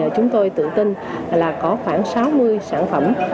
chúng tôi tự tin là có khoảng sáu mươi sản phẩm